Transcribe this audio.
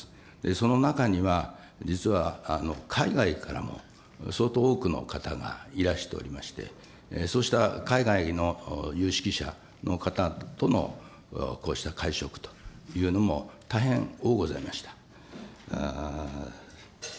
その中には、実は海外からも相当多くの方がいらしておりまして、そうした海外の有識者の方とのこうした会食というのも大変おおございました。